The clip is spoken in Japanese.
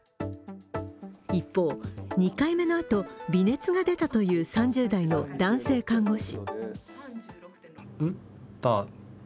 一方、２回目のあと、微熱が出たという３０代の男性看護師。